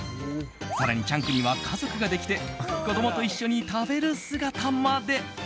更にチャンクには家族ができて子供と一緒に食べる姿まで。